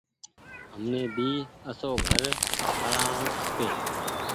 همني ڀي آسو گھر ٺرآڻو کپي۔